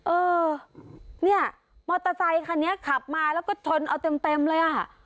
เออเนี่ยมอเตอร์ไซคันนี้ขับมาแล้วก็ชนเอาเต็มเลยอ่ะ